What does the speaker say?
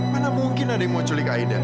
mana mungkin ada yang mau culik aida